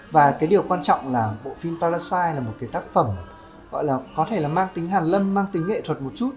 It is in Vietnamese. và cái điều quan trọng là bộ phim parasite là một cái tác phẩm gọi là có thể là mang tính hàn lâm mang tính nghệ thuật một chút